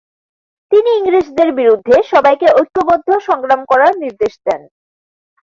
তিনি ইংরেজদের বিরুদ্ধে সবাইকে ঐক্যবদ্ধ সংগ্রাম করার নির্দেশ দেন।